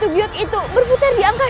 biar ayah anda